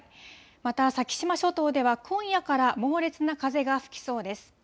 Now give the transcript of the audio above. また先島諸島では今夜から猛烈な風が吹きそうです。